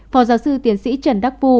phó giáo sư tiến sĩ trần đắc phu